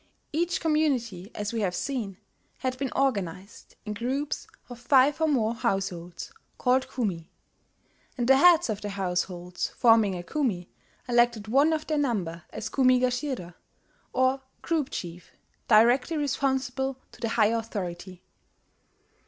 Each community, as we have seen, had been organized in groups of five or more households, called kumi; and the heads of the households forming a kumi elected one of their number as kumi gashira, or group chief, directly responsible to the higher authority.